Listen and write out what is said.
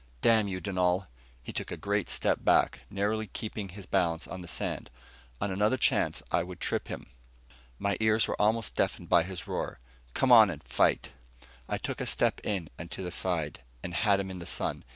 "Damn you, Dunal!" He took a great step back, narrowly keeping his balance on the sand. On another chance, I would trip him. My ears were almost deafened by his roar, "Come on and fight." I took a step in and to the side, and had him in the sun.